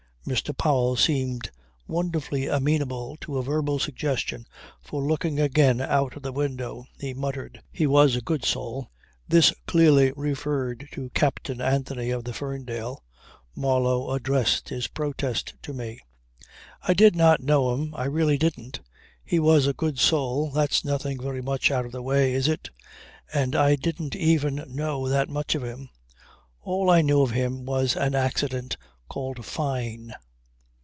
Mr. Powell seemed wonderfully amenable to verbal suggestions for looking again out of the window, he muttered: "He was a good soul." This clearly referred to Captain Anthony of the Ferndale. Marlow addressed his protest to me. "I did not know him. I really didn't. He was a good soul. That's nothing very much out of the way is it? And I didn't even know that much of him. All I knew of him was an accident called Fyne.